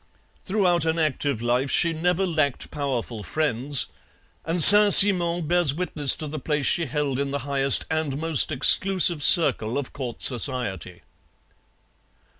Throughout an active life she never lacked powerful friends, and Saint Simon bears witness to the place she held in the highest and most exclusive circle of court society.